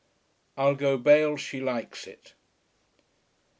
I'LL GO BAIL SHE LIKES IT.